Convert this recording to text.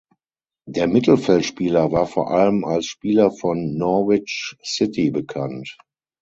Der Mittelfeldspieler war vor allem als Spieler von Norwich City bekannt.